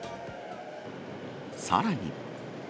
さらに。